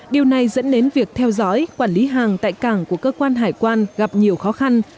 điều này dẫn đến việc theo dõi quản lý hàng tại cảng của cơ quan hải quan gặp nhiều khó khăn